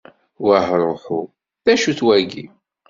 Wahruḥu d-acu-t wagi?